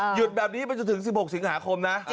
หยุดแบบนี้ไปจนถึง๑๖สิงหาคมนะ